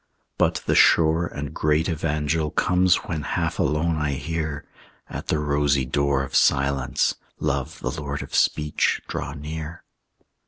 But the sure and great evangel Comes when half alone I hear, At the rosy door of silence, Love, the lord of speech, draw near.